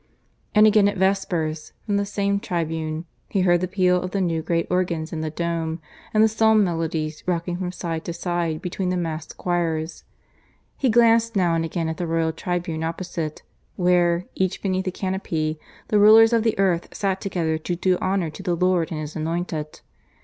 And again at Vespers, from the same tribune, he heard the peal of the new great organs in the dome, and the psalm melodies rocking from side to side between the massed choirs; he glanced now and again at the royal tribune opposite, where, each beneath a canopy, the rulers of the earth sat together to do honour to the Lord and His Anointed.